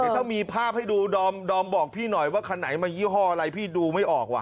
ถ้ามีภาพให้ดูดอมบอกพี่หน่อยว่าคันไหนมายี่ห้ออะไรพี่ดูไม่ออกว่